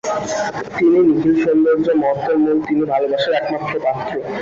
তিনি নিখিল সৌন্দর্য ও মহত্ত্বের মূল, তিনি ভালবাসার একমাত্র পাত্র।